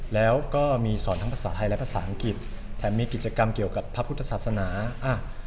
แล้วก็มีสอนทั้งภาษาไทยและภาษาอังกฤษแถมมีกิจกรรมเกี่ยวกับพระพุทธศาสนาอ่า